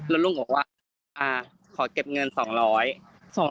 แล้วลุงบอกว่าขอเก็บเงิน๒๐๐บาท